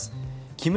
木村